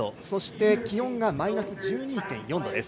そして気温がマイナス１２．４度。